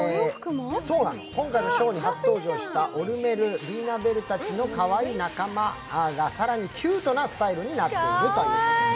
今回のショーで初登場した、オル・メル、リーナ・ベルたちのかわいい仲間たちが、更にキュートなスタイルになっています。